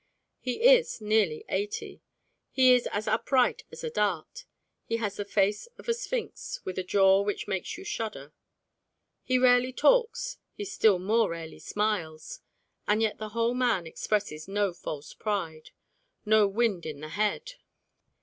He is nearly eighty: he is as upright as a dart: he has the face of a sphinx with a jaw which makes you shudder. He rarely talks, he still more rarely smiles. And yet the whole man expresses no false pride no "wind in the head."